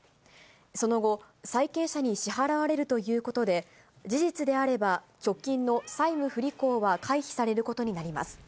その後、債権者に支払われるということで、事実であれば、直近の債務不履行は回避されることになります。